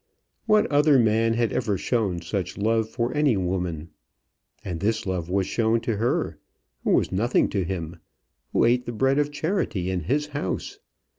What other man had ever shown such love for any woman? and this love was shown to her, who was nothing to him, who ate the bread of charity in his house.